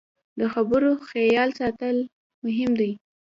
د خبرو خیال ساتل مهم دي